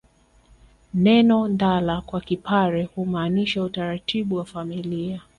Neno ndala kwa Kipare humaanisha utaratibu wa familia